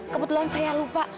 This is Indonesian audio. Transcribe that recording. kebetulan saya lupa